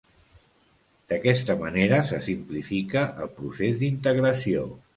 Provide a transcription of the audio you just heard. D’aquesta manera se simplifica el procés d’integració.